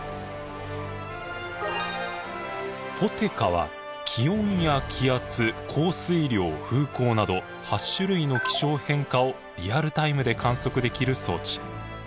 ＰＯＴＥＫＡは気温や気圧降水量風向など８種類の気象変化をリアルタイムで観測できる装置。